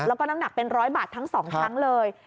แล้วก็น้ำหนักเป็นร้อยบาททั้งสองครั้งเลยครับ